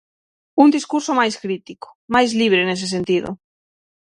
Un discurso máis crítico, máis libre nese sentido.